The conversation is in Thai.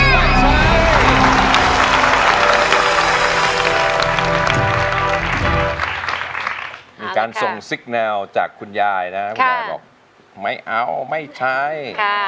มีการส่งซิกแนวจากคุณยายนะคุณยายบอกไม่เอาไม่ใช้